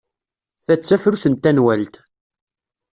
Ta d tafrut n tenwalt.